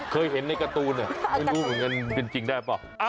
เคยเห็นในการ์ตูนไม่รู้เหมือนกันเป็นจริงได้เปล่า